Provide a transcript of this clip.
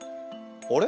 あれ？